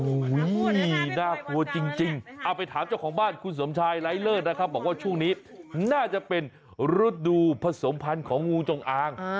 โอ้โหน่ากลัวจริงเอาไปถามเจ้าของบ้านคุณสมชายไร้เลิศนะครับบอกว่าช่วงนี้น่าจะเป็นฤดูผสมพันธ์ของงูจงอาง